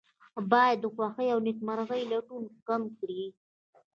باید د خوښۍ او نیکمرغۍ لټون کم کړي.